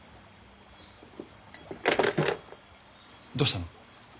どうしたの？